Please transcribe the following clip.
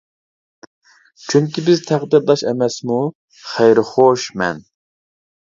چۈنكى بىز تەقدىرداش ئەمەسمۇ؟ خەيرى-خوش مەن.